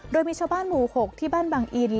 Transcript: โดยมีชาวบ้านหมู่๖ที่บ้านบังอิน